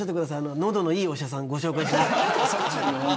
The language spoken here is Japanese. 喉のいいお医者さん紹介します。